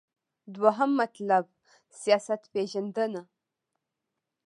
دوهم مطلب : سیاست پیژندنه